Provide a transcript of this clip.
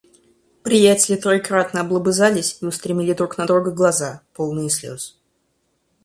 Приятели троекратно облобызались и устремили друг на друга глаза, полные слёз.